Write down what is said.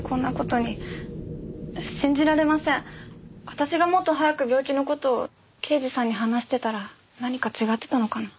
私がもっと早く病気の事を刑事さんに話してたら何か違ってたのかな。